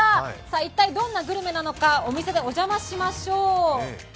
一体どんなグルメなのか、お店にお邪魔しましょう。